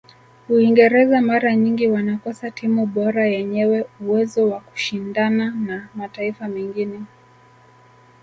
uingereza mara nyingi wanakosa timu bora yenyewe uwezo wa kushindana na mataifa mengine